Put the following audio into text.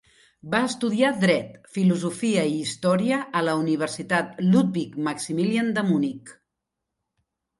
Va estudiar dret, filosofia i història a la Universitat Ludwig-Maximilian de Munic.